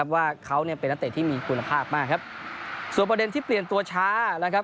ว่าเขาเนี่ยเป็นนักเตะที่มีคุณภาพมากครับส่วนประเด็นที่เปลี่ยนตัวช้านะครับ